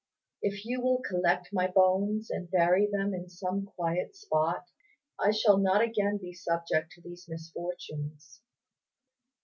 If you will collect my bones and bury them in some quiet spot, I shall not again be subject to these misfortunes."